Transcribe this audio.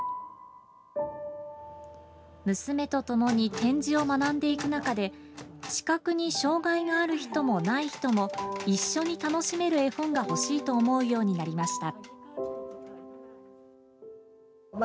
娘とともに点字を学んでいく中で視覚に障害がある人もない人も一緒に楽しめる絵本が欲しいと思うようになりました。